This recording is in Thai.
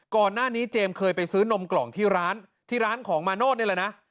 ก่อนหน้านี้เจมส์เคยไปซื้อนมกล่องที่ร้านที่ร้านของมาโนธนี่แหละนะ